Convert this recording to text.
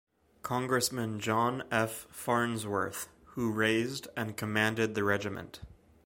Congressman John F. Farnsworth, who raised and commanded the regiment.